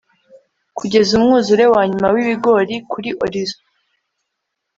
Kugeza umwuzure wanyuma wibigori kuri horizon